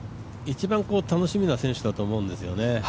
一番楽しみな選手だと思うんですよね。